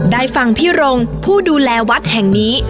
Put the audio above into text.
ได้ฟังพี่รงผู้ดูแลวัดแห่งนี้